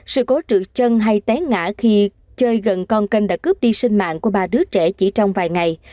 sự cố trượt chân hay té ngã khi chơi gần con kênh đã cướp đi sinh mạng của ba đứa trẻ chỉ trong vài ngày